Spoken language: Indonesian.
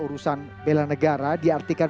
urusan bela negara diartikan